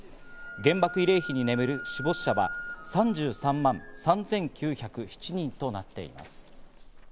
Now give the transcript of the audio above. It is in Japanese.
原爆慰霊碑に眠る死没者は３３万３９０７人となっています。